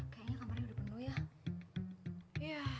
kayaknya kamarnya udah penuh ya